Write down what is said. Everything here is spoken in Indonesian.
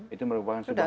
itu merupakan sebuah